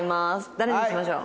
誰にしましょう？